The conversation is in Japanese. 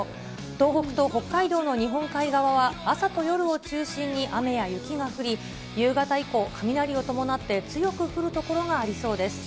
東北と北海道の日本海側は、朝と夜を中心に雨や雪が降り、夕方以降、雷を伴って強く降る所がありそうです。